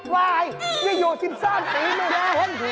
ไวะอยู่๑๓ปีไม่ได้ให้ดี